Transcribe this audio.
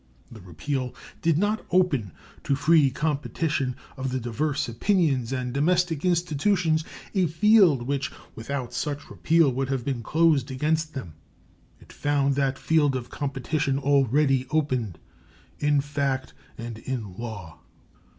That repeal did not open to free competition of the diverse opinions and domestic institutions a field which without such repeal would have been closed against them; it found that field of competition already opened, in fact and in law.